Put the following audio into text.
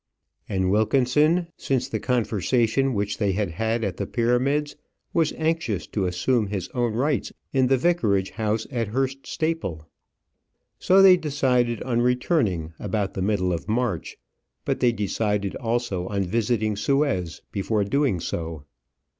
And Wilkinson, since the conversation which they had had at the Pyramids, was anxious to assume his own rights in the vicarage house at Hurst Staple. So they decided on returning about the middle of March; but they decided also on visiting Suez before doing so.